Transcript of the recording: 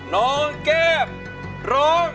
น้องแก้มร้อง